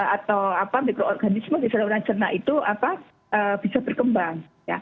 atau apa mikroorganisme di saluran cernak itu bisa berkembang